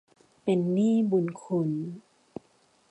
เป็นหนี้บุญคุณ